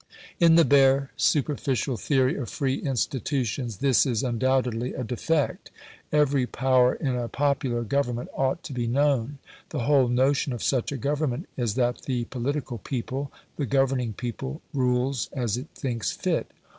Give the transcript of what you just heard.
In the bare superficial theory of free institutions this is undoubtedly a defect. Every power in a popular Government ought to be known. The whole notion of such a Government is that the political people the governing people rules as it thinks fit.